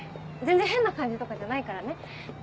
全然変な感じとかじゃないからね。